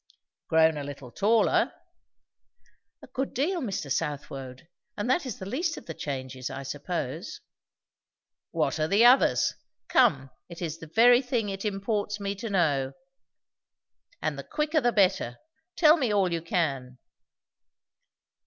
"Grown a little taller." "A good deal, Mr. Southwode! And that is the least of the changes, I suppose." "What are the others? Come, it is the very thing it imports me to know. And the quicker the better. Tell me all you can."